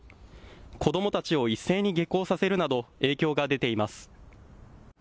子どもたちを一斉に下校させるなど影響が出ています。